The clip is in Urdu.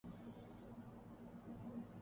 جہاں پیٹرول کھانے کی اشیا کی طرح بِکتا ہے